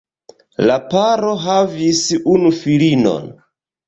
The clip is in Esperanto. La paro havis unu filinon.